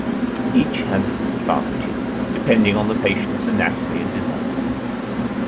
Each has its advantages depending on the patient's anatomy and desires.